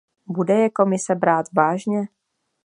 Bude je Komise brát vážně?